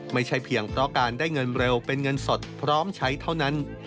ไม่ใช่เพียงเพราะการได้เงินเร็วเป็นเงินสดพร้อมใช้เท่านั้น